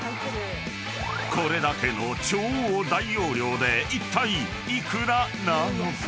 ［これだけの超大容量でいったい幾らなのか？］